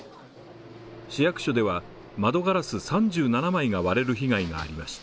市役所では、窓ガラス３７枚が割れる被害がありました。